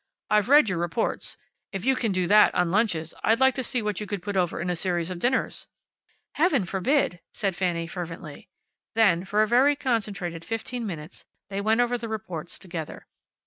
"I've read your reports. If you can do that on lunches, I'd like to see what you could put over in a series of dinners." "Heaven forbid," said Fanny, fervently. Then, for a very concentrated fifteen minutes they went over the reports together.